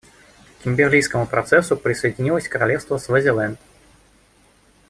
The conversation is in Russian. К Кимберлийскому процессу присоединилось Королевство Свазиленд.